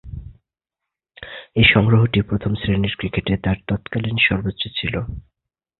এ সংগ্রহটি প্রথম-শ্রেণীর ক্রিকেটে তার তৎকালীন সর্বোচ্চ ছিল।